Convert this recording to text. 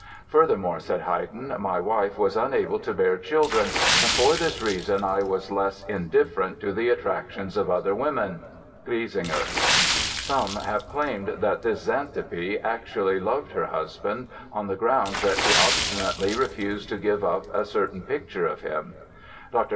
Furthermore, said Haydn, "my wife was unable to bear children and for this reason I was less indifferent to the attractions of other women" (Griesinger). Some have claimed that this Xantippe actually loved her husband, on the grounds that she obstinately refused to give up a certain picture of him. Dr.